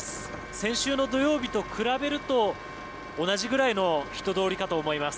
先週の土曜日と比べると同じぐらいの人通りかと思います。